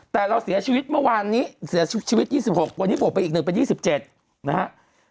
แต่เราเสียชีวิตเมื่อวานนี้เสียชีวิต๒๖วันนี้บวกไปอีก๑เป็น๒๗นะฮะ